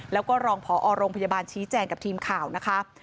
แล้วก็รองพอโรงพยาบาลชี้แจงกับทีมข่าวนะคะ